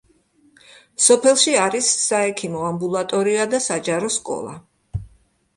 სოფელში არის საექიმო ამბულატორია და საჯარო სკოლა.